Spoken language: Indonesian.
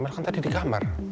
mel kan tadi di kamar